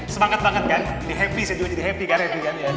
semangat banget kan jadi happy saya juga jadi happy kan